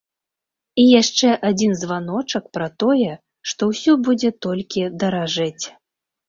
І яшчэ адзін званочак пра тое, што ўсё будзе толькі даражэць.